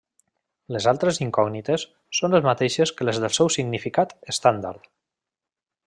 Les altres incògnites són les mateixes que les del seu significat estàndard.